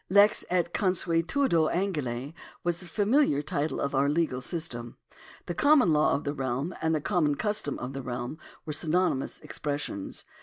Lex et consuetudo Angliae was the familiar title of our legal system. The common law of the realm and the common custom of the realm were synonymous expressions.